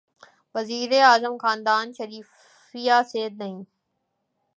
وزیر اعظم خاندان شریفیہ سے نہیں۔